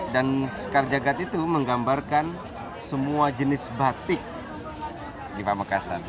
dan sekar jagad itu menggambarkan semua jenis batik di pamekasan